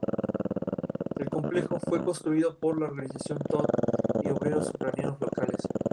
El vicealcalde es la segunda máxima autoridad administrativa y política de la ciudad.